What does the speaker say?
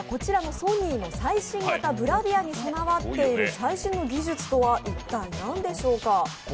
ソニーのブラビアに備わっている最新の技術とは一体何でしょうか？